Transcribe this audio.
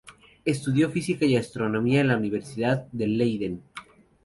Estudió física y astronomía en la Universidad de Leiden.